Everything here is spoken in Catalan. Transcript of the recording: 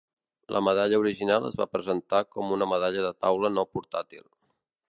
La medalla original es va presentar com una medalla de taula no portàtil.